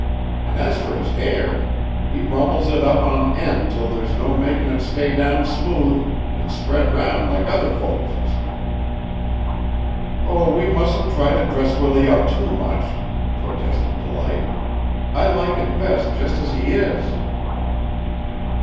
An' as for his hair, he rumples it up on end 'till there's no makin' it stay down smooth an' spread round like other folks's." "Oh, we mustn't try to dress Willie up too much," protested Delight. "I like him best just as he is."